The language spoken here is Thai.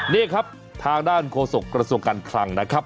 นี่ครับทางด้านโฆษกระทรวงการคลังนะครับ